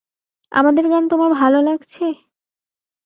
আমাদের গান তোমার ভালো লাগছে?